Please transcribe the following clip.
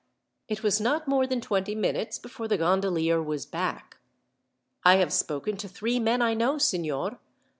It was not more than twenty minutes before the gondolier was back. "I have spoken to three men I know, signor.